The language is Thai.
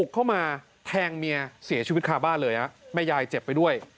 เข้ามาแทงเมียเสียชีวิตคาบ้านเลยแม่ยายเจ็บไปด้วย